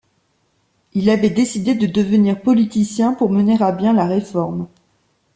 Il avait décidé de devenir politicien pour mener à bien la réforme.